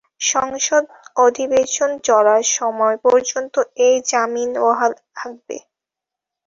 সংসদ অধিবেশন চলার সময় পর্যন্ত এ জামিন বহাল থাকবে।